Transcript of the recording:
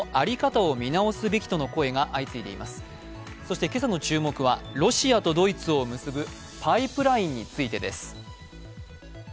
そして今朝の注目はロシアとドイツを結ぶパイプラインについてです。